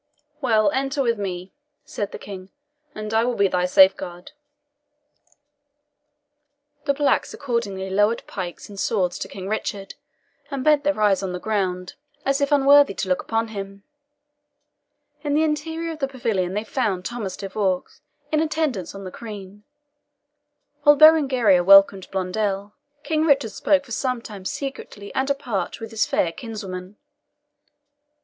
"Well, enter with me," said the King, "and I will be thy safeguard." The blacks accordingly lowered pikes and swords to King Richard, and bent their eyes on the ground, as if unworthy to look upon him. In the interior of the pavilion they found Thomas de Vaux in attendance on the Queen. While Berengaria welcomed Blondel, King Richard spoke for some time secretly and apart with his fair kinswoman.